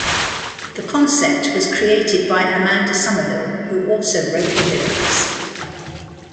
The concept was created by Amanda Somerville who also wrote the lyrics.